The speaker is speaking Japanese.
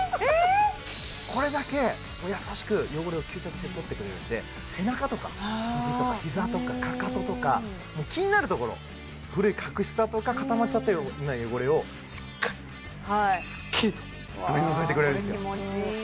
これだけ優しく汚れを吸着して取ってくれるんで背中とかひじとかひざとかかかととかもう気になるところ古い角質だとか固まっちゃってる汚れをしっかりすっきり取り除いてくれるんですよ